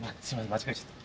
間違えちゃった。